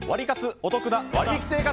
おトクな割引生活。